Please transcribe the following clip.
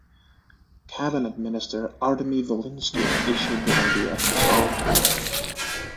Cabinet Minister Artemy Volynsky issued the idea as his own.